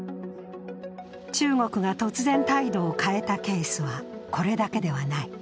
中国が突然態度を変えたケースは、これだけではない。